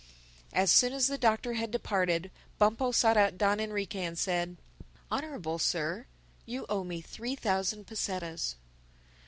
As soon as the Doctor had departed Bumpo sought out Don Enrique and said, "Honorable Sir, you owe me three thousand pesetas."